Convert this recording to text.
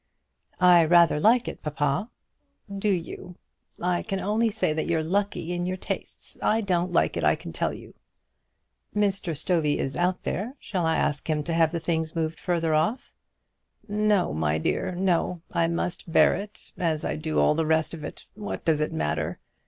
"I rather like it, papa." "Do you? I can only say that you're lucky in your tastes. I don't like it, I can tell you." "Mr. Stovey is out there. Shall I ask him to have the things moved further off?" "No, my dear, no. I must bear it, as I do all the rest of it. What does it matter?